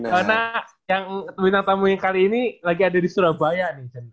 karena yang minta tamu yang kali ini lagi ada di surabaya nih